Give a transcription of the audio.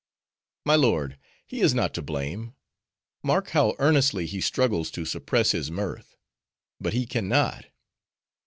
"My lord, he is not to blame. Mark how earnestly he struggles to suppress his mirth; but he can not.